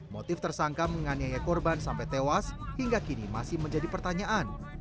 motif tersangka menganiaya korban sampai tewas hingga kini masih menjadi pertanyaan